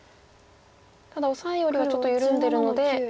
ただオサエよりはちょっと緩んでるので。